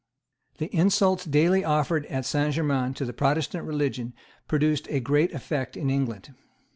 The insults daily offered at Saint Germains to the Protestant religion produced a great effect in England.